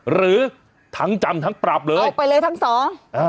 หรือทั้งจำทั้งปรับเลยออกไปเลยทั้งสองอ่า